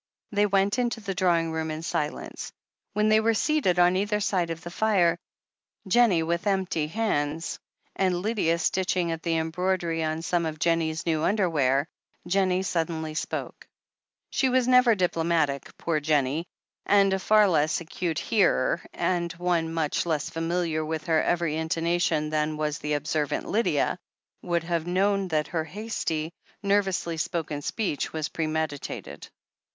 They went into the drawing room in silence. When they were seated on either side of the fire, Jennie with empty hands and Lydia stitching at the embroidery on some of Jennie's new underwear, Jennie suddenly spoke. THE HEEL OF ACHILLES 455 She was never diplomatic, poor Jennie, and a far less acute hearer, and one much less familiar with her every intonation than was the observant Lydia, would have known that her hasty, nervously spoken speech was premeditated.